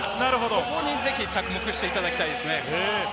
そこにぜひ着目していただきたいです。